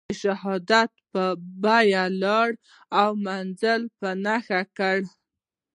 د شهادت په بیه لار او منزل په نښه کړ.